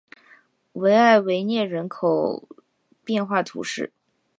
维埃维涅人口变化图示